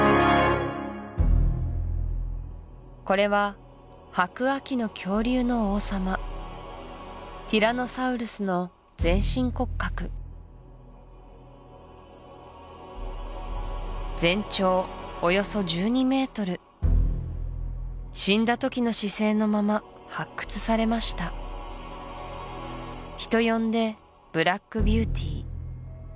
これは白亜紀の恐竜の王様ティラノサウルスの全身骨格全長およそ１２メートル死んだ時の姿勢のまま発掘されました人呼んで「ブラックビューティー」